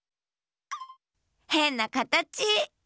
へんなかたち！